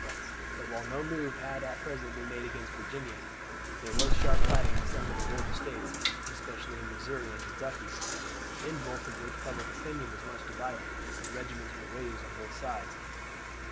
But while no move had at present been made against Virginia there was sharp fighting in some of the border states, especially in Missouri and Kentucky, in both of which public opinion was much divided, and regiments were raised on both sides.